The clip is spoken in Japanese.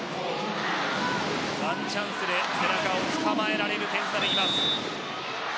１チャンスで背中を捕まえられる点差です。